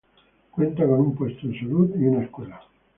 Cuenta con un puesto de salud y una escuela.